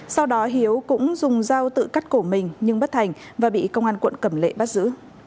sau đó hiếu cũng dùng dao tự cắt cổ mình nhưng bất thành và bị công an quận cẩm lệ bắt giữ